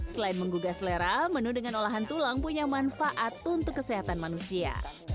selain menggugah selera menu dengan olahan tulang punya manfaat untuk kesehatan manusia